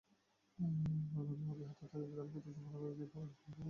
ভাঙন অব্যাহত থাকায় গ্রাম দুটি সম্পূর্ণ বিলীন হওয়ার আশঙ্কা দেখা দিয়েছে।